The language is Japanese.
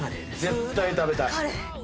絶対食べたい。